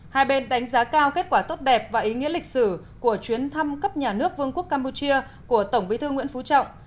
hai bên đánh giá cao kết quả tốt đẹp và ý nghĩa lịch sử của chuyến thăm cấp nhà nước vương quốc campuchia của tổng bí thư nguyễn phú trọng